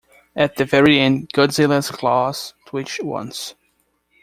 At the very end, Godzilla's claws twitch once.